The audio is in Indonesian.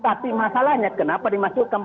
tapi masalahnya kenapa dimasukkan